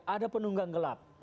ada penunggang gelap